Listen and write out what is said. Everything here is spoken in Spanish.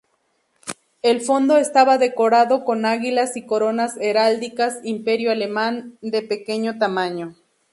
El fondo estaba decorado con águilas y coronas heráldicas Imperio Alemán, de pequeño tamaño.